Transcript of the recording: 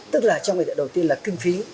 tức là trong hệ thống đầu tiên là kinh phí